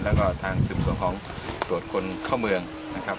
แล้วก็ทางสืบสวนของตรวจคนเข้าเมืองนะครับ